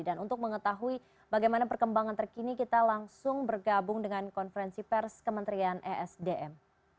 dan untuk mengetahui bagaimana perkembangan terkini kita langsung bergabung dengan konferensi pers kementerian esdm